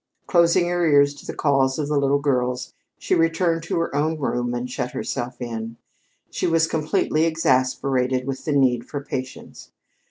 Closing her ears to the calls of the little girls, she returned to her own room and shut herself in. She was completely exasperated with the need for patience.